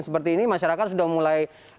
seperti ini masyarakat sudah mulai